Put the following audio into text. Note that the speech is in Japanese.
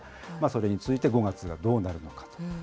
それに続いて５月はどうなるのか。